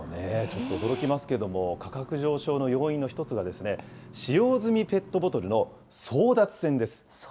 ちょっと驚きますけど、価格上昇の要因の１つが、使用済みペットボトルの争奪戦です。